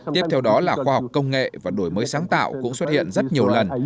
tiếp theo đó là khoa học công nghệ và đổi mới sáng tạo cũng xuất hiện rất nhiều lần